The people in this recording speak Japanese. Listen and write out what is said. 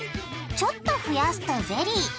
ちょっと増やすとゼリー。